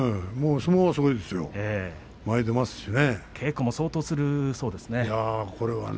相撲はすごいですよ前に出ますしね。